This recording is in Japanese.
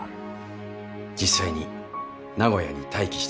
実際に名古屋に待機しています。